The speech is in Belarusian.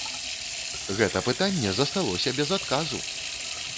Гэта пытанне засталося без адказу!